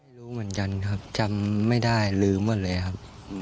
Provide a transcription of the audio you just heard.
ไม่รู้เหมือนกันครับจำไม่ได้ลืมหมดเลยครับ